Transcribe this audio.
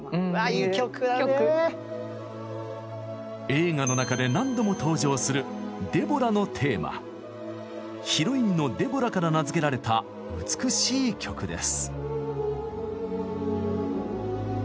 映画の中で何度も登場するヒロインのデボラから名付けられた美しい曲です。